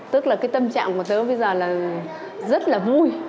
tức là tâm trạng của tôi bây giờ là rất là vui